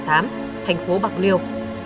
thành phố bạc liêu